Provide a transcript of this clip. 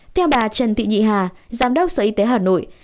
theo bà trần thị nhị hà giám đốc sở y tế hà nội